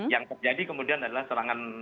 yang terjadi kemudian adalah serangan